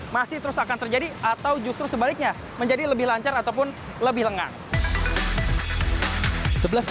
masih terus akan terjadi atau justru sebaliknya menjadi lebih lancar ataupun lebih lengang